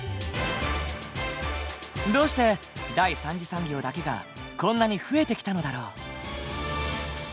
どうして第三次産業だけがこんなに増えてきたのだろう？